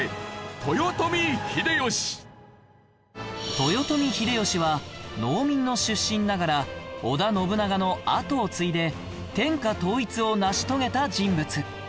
豊臣秀吉は農民の出身ながら織田信長の後を継いで天下統一を成し遂げた人物